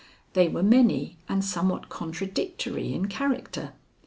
They were many and somewhat contradictory in character.